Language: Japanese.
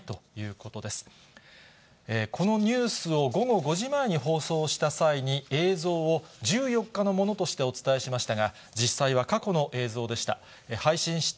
このニュースを午後５時前に放送した際に、映像を１４日のものとしてお伝えしましたが、実際は過去の映像でした。